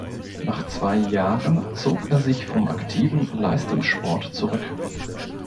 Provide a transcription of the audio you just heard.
Nach zwei Jahren zog er sich vom aktiven Leistungssport zurück.